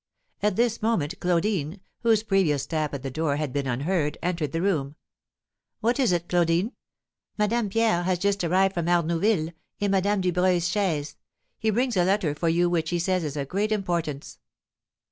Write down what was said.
At this moment Claudine, whose previous tap at the door had been unheard, entered the room. "What is it, Claudine?" "Madame, Pierre has just arrived from Arnouville, in Madame Dubreuil's chaise; he brings a letter for you which he says is of great importance."